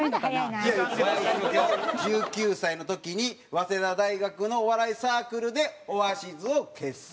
１９歳の時に早稲田大学のお笑いサークルでオアシズを結成。